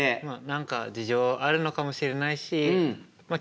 何か事情あるのかもしれないしま